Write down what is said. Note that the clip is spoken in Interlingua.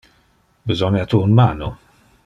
Besonia tu un mano?